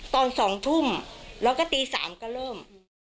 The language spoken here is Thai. ตอน๒ทุ่มแล้วก็ตี๓ก็เริ่ม